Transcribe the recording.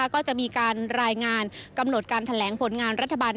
ก็จะมีการรายงานกำหนดการแถลงผลงานรัฐบาล